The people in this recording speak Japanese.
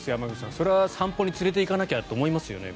それは散歩に連れていかなきゃと思いますよね。